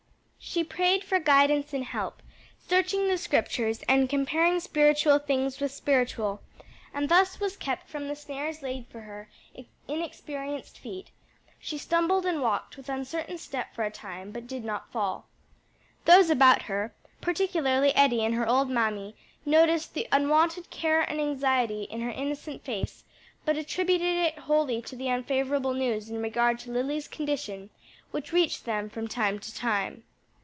She prayed for guidance and help, searching the Scriptures and "comparing spiritual things with spiritual," and thus was kept from the snares laid for her inexperienced feet; she stumbled and walked with uncertain step for a time, but did not fall. Those about her, particularly Eddie and her old mammy, noticed the unwonted care and anxiety in her innocent face, but attributed it wholly to the unfavorable news in regard to Lily's condition, which reached them from time to time.